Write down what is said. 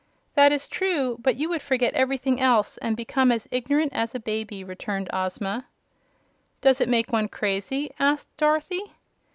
"That is true; but you would forget everything else, and become as ignorant as a baby," returned Ozma. "Does it make one crazy?" asked Dorothy.